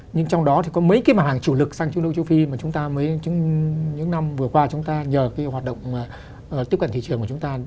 nhưng trong đó thì có mấy cái mặt hàng chủ lực sang trung đông châu phi mà chúng ta những năm vừa qua chúng ta nhờ cái hoạt động tiếp cận thị trường của chúng ta